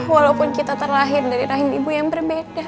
walaupun kita terlahir dari rahim ibu yang berbeda